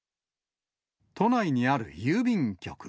都内にある郵便局。